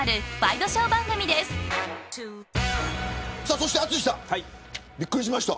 そして、淳さんびっくりしました。